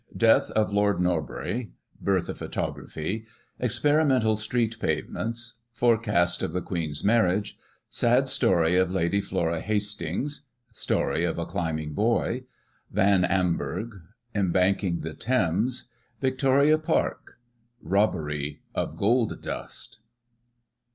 Death of Lord Norbury — Birth of photography — Experimental street pavements — Forecast of the Queen's marriage — Sad story of Lady Flora Hastings — Story of a climbing boy — Van Amburgh — Embanking the Thames — ^Victoria Park — Robbery of gold. dust.